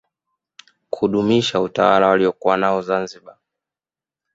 kudumisha utawala waliokuwa nao zanziba